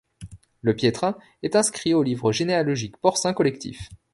Le piétrain est inscrit aux livres généalogiques porcins collectifs.